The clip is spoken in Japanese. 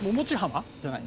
じゃない？